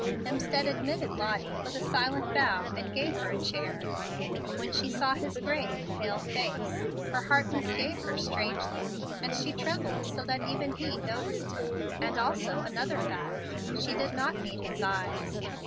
Hemstead admitted Lottie with a silent bow and gave her a chair. When she saw his grave, pale face, her heart misgave her strangely, and she trembled so that even he noticed it, and also another fact, she did not meet his eyes.